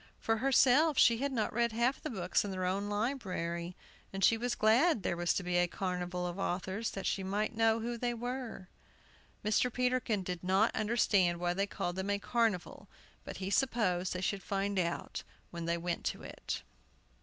For herself, she had not read half the books in their own library. And she was glad there was to be a Carnival of Authors, that she might know who they were. Mr. Peterkin did not understand why they called them a "Carnival"; but he supposed they should find out when they went to it.